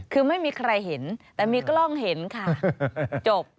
คือไม่มีใครเห็นแต่มีกล้องเห็นค่ะจบ